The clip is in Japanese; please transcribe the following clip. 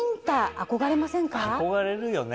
憧れるよね